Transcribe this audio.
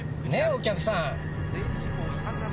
お客さん？